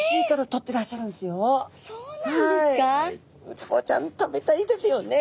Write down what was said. ウツボちゃん食べたいですよね。